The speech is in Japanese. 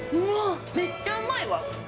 めっちゃうまいわ。